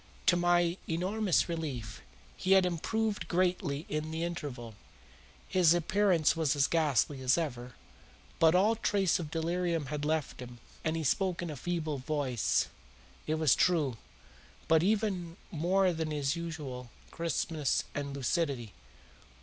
To my enormous relief, he had improved greatly in the interval. His appearance was as ghastly as ever, but all trace of delirium had left him and he spoke in a feeble voice, it is true, but with even more than his usual crispness and lucidity.